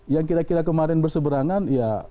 yang kira kira kemarin berseberangan ya